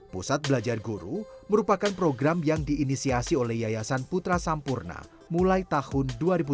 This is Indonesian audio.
pusat belajar guru merupakan program yang diinisiasi oleh yayasan putra sampurna mulai tahun dua ribu dua puluh